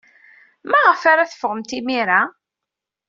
Maɣef ara teffɣemt imir-a?